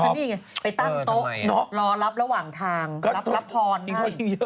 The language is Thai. นี่ไงไปตั้งโต๊ะรอรับระหว่างทางรับพรด้วย